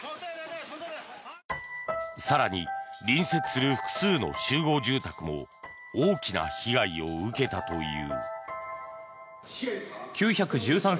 更に、隣接する複数の集合住宅も大きな被害を受けたという。